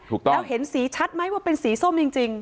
แล้วเห็นสีชัดไหมว่าเป็นสีส้มจริง